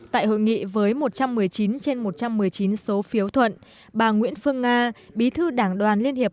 tại hội nghị với một trăm một mươi chín trên một trăm một mươi chín số phiếu thuận bà nguyễn phương nga bí thư đảng đoàn liên hiệp